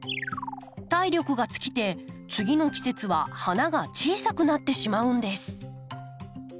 体力が尽きて次の季節は花が小さくなってしまうんです。